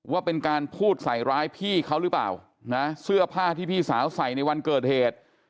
ว่าเป็นการพูดใส่ร้ายพี่เขาหรือเปล่านะเสื้อผ้าที่พี่สาวใส่ในวันเกิดเหตุ